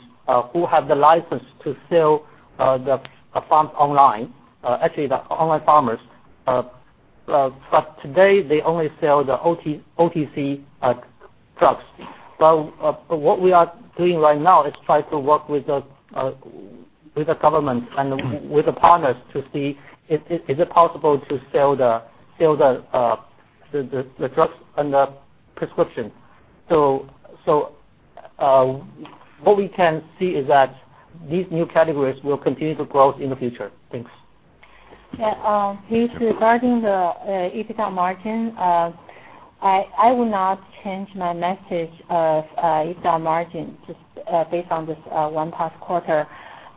who have the license to sell the pharm online, actually, the online pharmas. Today, they only sell the OTC drugs. What we are doing right now is try to work with the government and with the partners to see, is it possible to sell the drugs and the prescription. What we can see is that these new categories will continue to grow in the future. Thanks. Yeah. Please, regarding the EBITDA margin, I will not change my message of EBITDA margin just based on this one past quarter.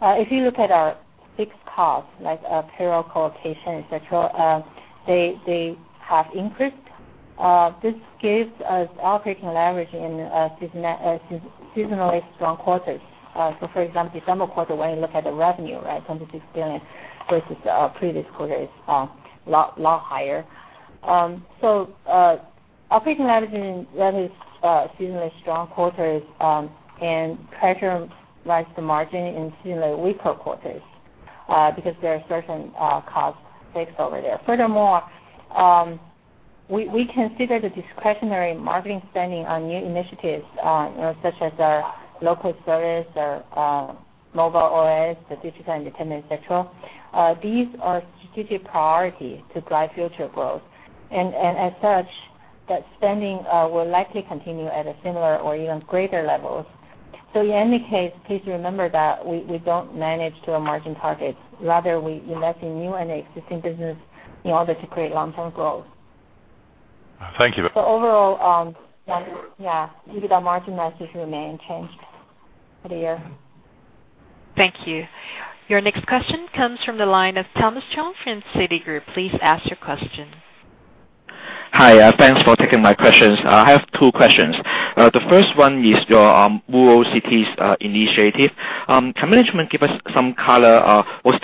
If you look at our fixed costs, like payroll, co-location, et cetera, they have increased. This gives us operating leverage in seasonally strong quarters. For example, December quarter, when you look at the revenue, right, RMB 26 billion versus the previous quarter, it is a lot higher. Operating leverage in what is seasonally strong quarters, and pressurize the margin in seasonally weaker quarters because there are certain costs fixed over there. Furthermore, we consider the discretionary marketing spending on new initiatives, such as our local service, our mobile OS, the digital entertainment, et cetera. These are strategic priorities to drive future growth. As such, that spending will likely continue at similar or even greater levels. In any case, please remember that we don't manage to a margin target. Rather, we invest in new and existing business in order to create long-term growth. Thank you. Overall, yeah, EBITDA margin message remain unchanged for the year. Thank you. Your next question comes from the line of Thomas Chong from Citigroup. Please ask your question. Hi. Thanks for taking my questions. I have two questions. The first one is your rural cities initiative. Can management give us some color, what's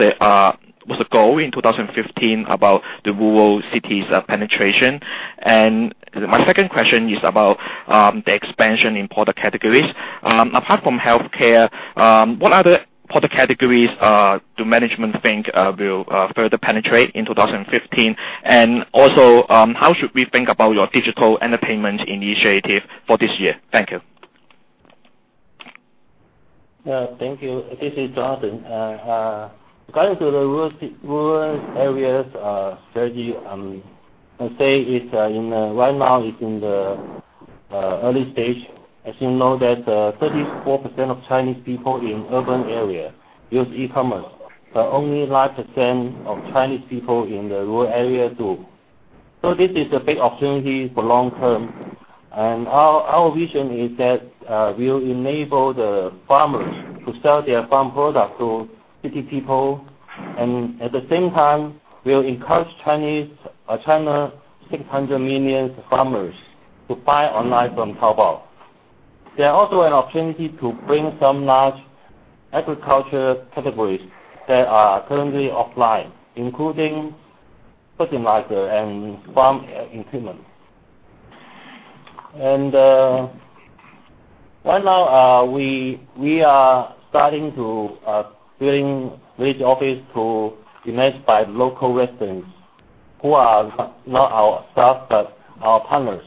the goal in 2015 about the rural cities penetration? My second question is about the expansion in product categories. Apart from healthcare, what other product categories do management think will further penetrate in 2015? How should we think about your digital entertainment initiative for this year? Thank you. Yeah, thank you. This is Jonathan. Regarding to the rural areas strategy, I'd say right now it's in the early stage. As you know that 34% of Chinese people in urban areas use e-commerce, but only 9% of Chinese people in the rural areas do. This is a big opportunity for long term. Our vision is that we'll enable the farmers to sell their farm products to city people, and at the same time, we'll encourage China, 600 million farmers to buy online from Taobao. There are also an opportunity to bring some large agriculture categories that are currently offline, including fertilizer and farm equipment. Right now, we are starting to build village office managed by local residents, who are not our staff, but our partners.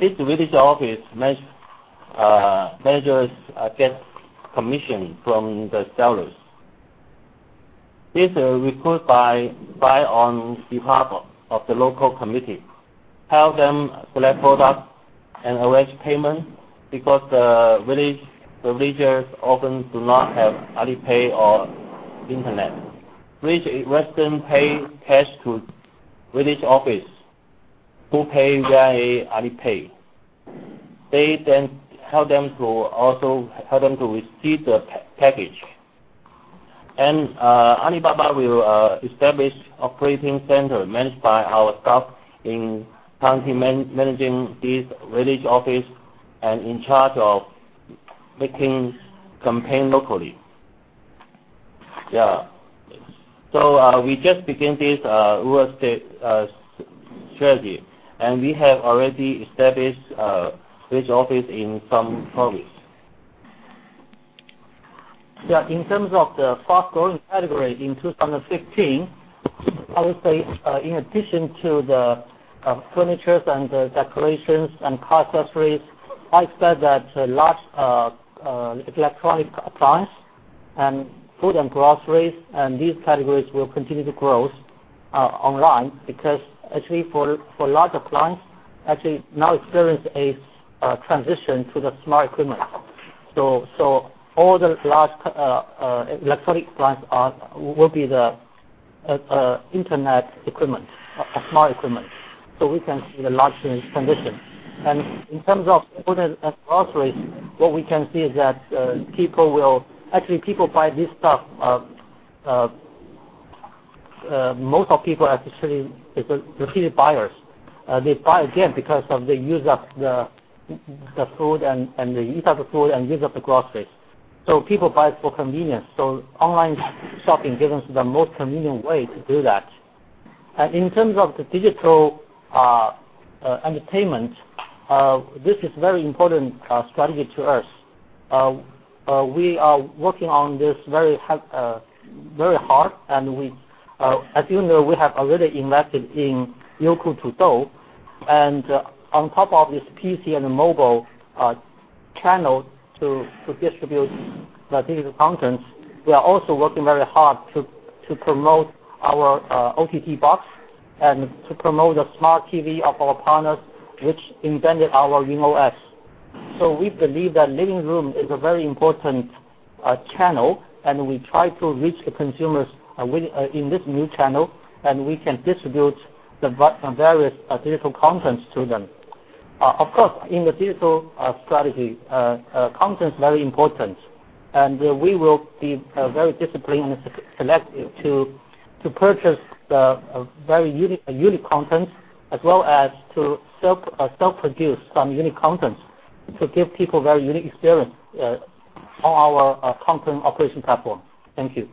This village office managers get commission from the sellers. These are recruited by on behalf of the local committee, help them select products and arrange payment because the villagers often do not have Alipay or internet. Village residents pay cash to village office, who pay via Alipay. They then help them to receive the package. Alibaba will establish operating center managed by our staff in county, managing these village office, and in charge of making campaign locally. We just begin this rural strategy, and we have already established village office in some provinces. In terms of the fast-growing category in 2015, I would say, in addition to the furniture and the decorations and car accessories, I said that large electronic appliances and food and groceries, and these categories will continue to grow online because actually, for large appliances, actually now experience a transition to the smart equipment. All the large electronic appliances will be the internet equipment, a smart equipment. We can see the large transition. In terms of food and groceries, what we can see is that, actually, people buy this stuff. Most people are actually repeated buyers. They buy again because of the use of the food and they eat up the food and use up the groceries. People buy for convenience. Online shopping gives them the most convenient way to do that. In terms of the digital entertainment, this is very important strategy to us. We are working on this very hard and as you know, we have already invested in Youku Tudou, and on top of this PC and mobile channel to distribute the digital content, we are also working very hard to promote our OTT box and to promote a smart TV of our partners which embedded our YunOS. We believe that living room is a very important channel, and we try to reach the consumers in this new channel, and we can distribute the various digital content to them. Of course, in the digital strategy, content is very important, and we will be very disciplined and selective to purchase the very unique content as well as to self-produce some unique content to give people very unique experience on our content operation platform. Thank you.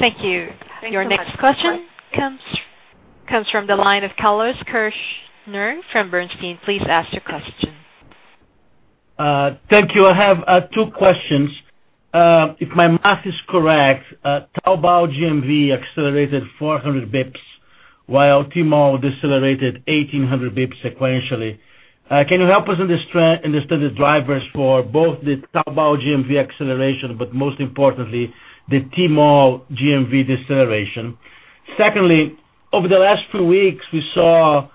Thank you. Your next question comes from the line of Carlos Kirjner-Neto from Bernstein. Please ask your question. Thank you. I have two questions. If my math is correct, Taobao GMV accelerated 400 basis points, while Tmall decelerated 1,800 basis points sequentially. Can you help us understand the drivers for both the Taobao GMV acceleration, but most importantly, the Tmall GMV deceleration? Secondly, over the last few weeks, we saw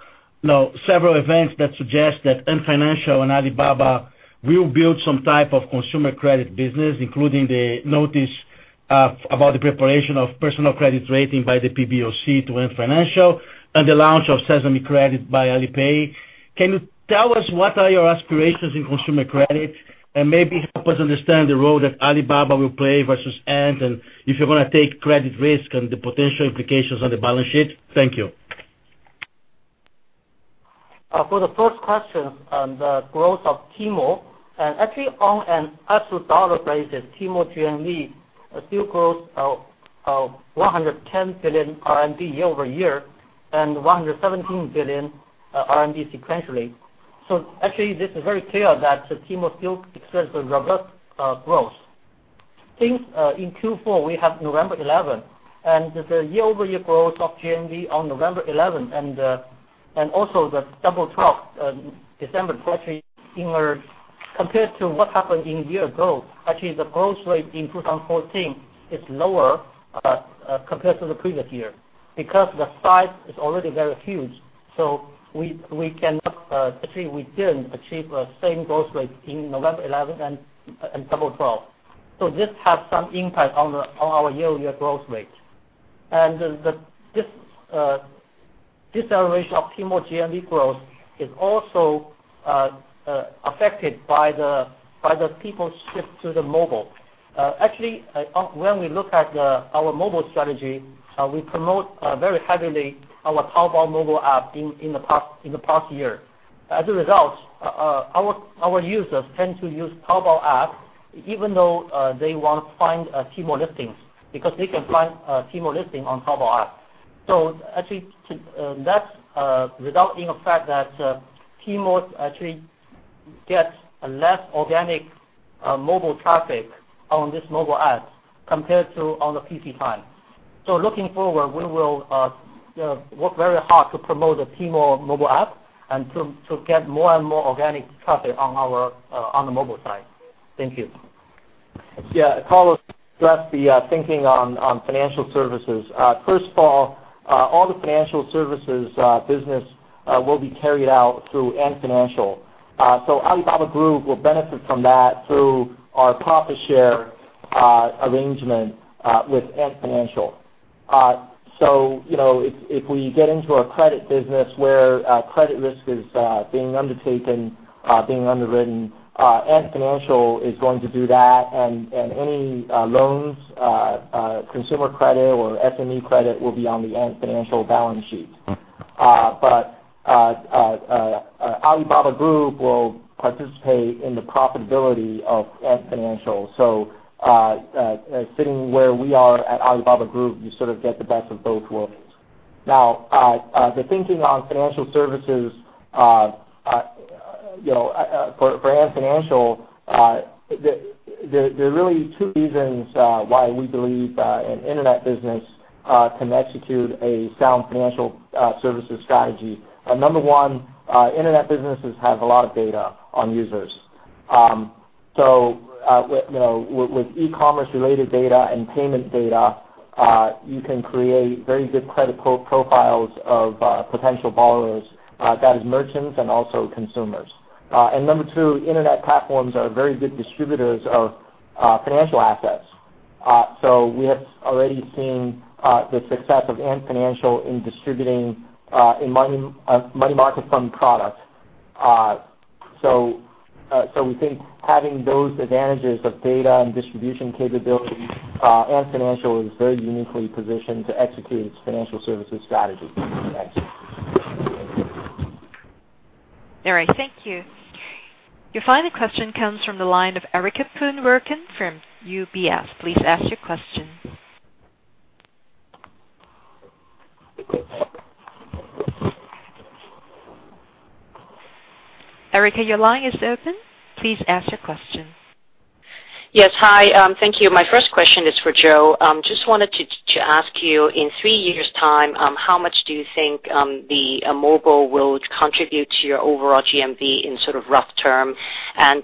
several events that suggest that Ant Financial and Alibaba will build some type of consumer credit business, including the notice about the preparation of personal credit rating by the PBOC to Ant Financial, and the launch of Sesame Credit by Alipay. Can you tell us what are your aspirations in consumer credit? Maybe help us understand the role that Alibaba will play versus Ant, and if you're going to take credit risk and the potential implications on the balance sheet. Thank you. For the first question, the growth of Tmall, and actually, on an absolute dollar basis, Tmall GMV still grows of 110 billion RMB year-over-year and 117 billion RMB sequentially. Actually, this is very clear that Tmall still expects a robust growth. Since in Q4, we have November 11, and the year-over-year growth of GMV on November 11 and also the Double 12, December 12, compared to what happened in year ago, actually, the growth rate in 2014 is lower compared to the previous year because the size is already very huge. We didn't achieve the same growth rate in November 11 and Double 12. This has some impact on our year-over-year growth rate. This deceleration of Tmall GMV growth is also affected by the people shift to the mobile. Actually, when we look at our mobile strategy, we promote very heavily our Taobao mobile app in the past year. As a result, our users tend to use Taobao app, even though they want to find Tmall listings, because they can find Tmall listing on Taobao app. Actually, that's resulting effect that Tmall actually gets less organic mobile traffic on this mobile app compared to on the PC side. Looking forward, we will work very hard to promote the Tmall mobile app and to get more and more organic traffic on the mobile side. Thank you. Yeah, Carlos, address the thinking on financial services. First of all the financial services business will be carried out through Ant Financial. Alibaba Group will benefit from that through our profit share arrangement with Ant Financial. If we get into a credit business where credit risk is being undertaken, being underwritten, Ant Financial is going to do that, and any loans, consumer credit, or SME credit will be on the Ant Financial balance sheet. Alibaba Group will participate in the profitability of Ant Financial. Sitting where we are at Alibaba Group, you sort of get the best of both worlds. Now, the thinking on financial services, for Ant Financial, there are really two reasons why we believe an internet business can execute a sound financial services strategy. Number one, internet businesses have a lot of data on users. With e-commerce related data and payment data, you can create very good credit profiles of potential borrowers, that is merchants and also consumers. Number two, internet platforms are very good distributors of financial assets. We have already seen the success of Ant Financial in distributing money market fund products. We think having those advantages of data and distribution capability, Ant Financial is very uniquely positioned to execute its financial services strategy. All right. Thank you. Your final question comes from the line of Erica Poon Werkun from UBS. Please ask your question. Erica, your line is open. Please ask your question. Yes, hi. Thank you. My first question is for Joe. Just wanted to ask you, in three years' time, how much do you think the mobile will contribute to your overall GMV in sort of rough term?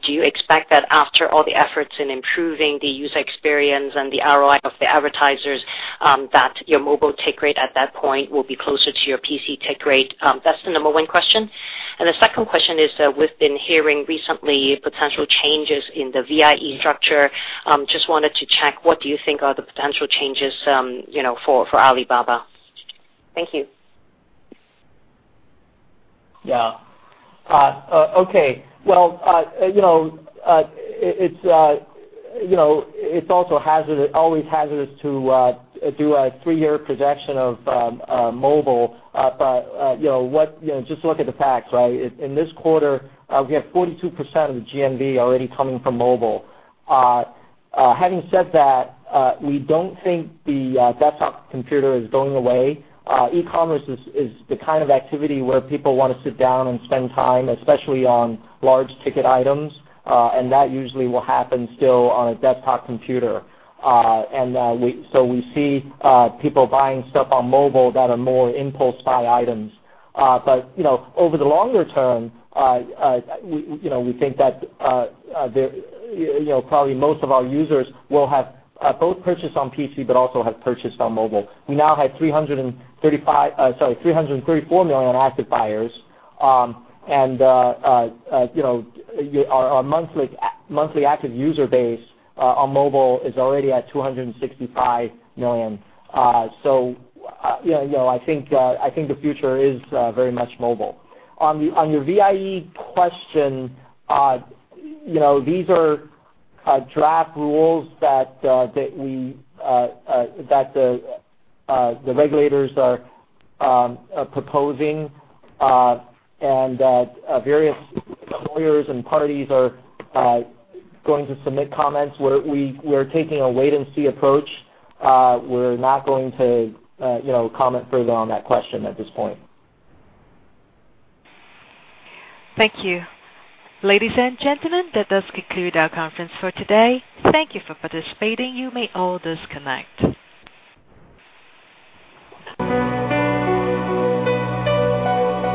Do you expect that after all the efforts in improving the user experience and the ROI of the advertisers, that your mobile take rate at that point will be closer to your PC take rate? That's the number one question. The second question is, we've been hearing recently potential changes in the VIE structure. Just wanted to check, what do you think are the potential changes for Alibaba. Thank you. Yeah. Okay. Well, it's also always hazardous to do a three-year projection of mobile, just look at the facts, right? In this quarter, we have 42% of the GMV already coming from mobile. Having said that, we don't think the desktop computer is going away. E-commerce is the kind of activity where people want to sit down and spend time, especially on large ticket items, and that usually will happen still on a desktop computer. We see people buying stuff on mobile that are more impulse buy items. Over the longer term, we think that probably most of our users will have both purchased on PC but also have purchased on mobile. We now have 334 million active buyers. Our monthly active user base on mobile is already at 265 million. I think the future is very much mobile. On your VIE question, these are draft rules that the regulators are proposing, and various employers and parties are going to submit comments. We're taking a wait-and-see approach. We're not going to comment further on that question at this point. Thank you. Ladies and gentlemen, that does conclude our conference for today. Thank you for participating. You may all disconnect.